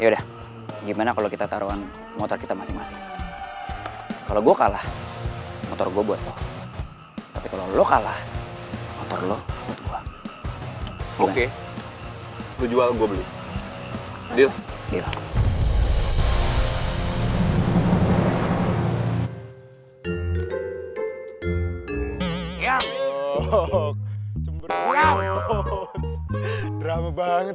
drama banget sih lu